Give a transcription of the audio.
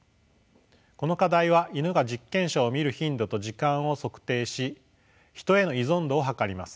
この課題はイヌが実験者を見る頻度と時間を測定しヒトへの依存度を測ります。